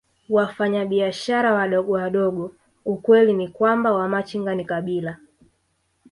Wafanyabiashara wadogowadogo Ukweli ni kwamba Wamachinga ni kabila